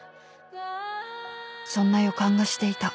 ［そんな予感がしていた］